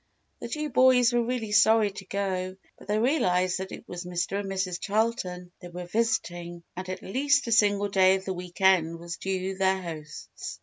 The two boys were really sorry to go but they realised that it was Mr. and Mrs. Charlton they were visiting and at least a single day of the week end was due their hosts.